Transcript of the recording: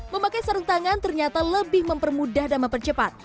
memakai sarung tangan ternyata lebih mempermudah dan mempercepat